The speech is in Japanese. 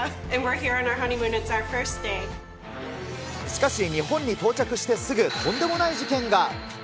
しかし日本に到着してすぐ、とんでもない事件が。